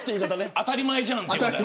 当たり前じゃんって。